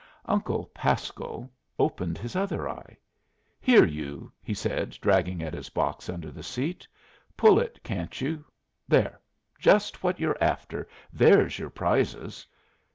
Uncle Pasco opened his other eye. "Here, you!" he said, dragging at his box under the seat. "Pull it, can't you? There. Just what you're after. There's your prizes."